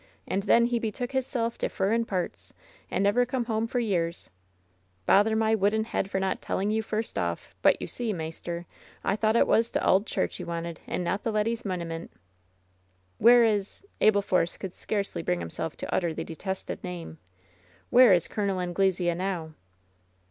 And then he betook hisself to furrin pairts and never come home for years! Bothev LOVE'S BITTEREST CUP 2«7 my wooden head for not telling you first off ; but you see, maister, I thought it was t' auld church you wanted and not the leddy's munnimint/' "Where is'' — ^Abel Force could scarcely bring himself to utter the detested name — "where is Col. Anglesea now